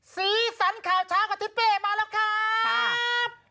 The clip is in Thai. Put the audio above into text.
สีสันข่าวเช้ากับทิศเป้มาแล้วครับ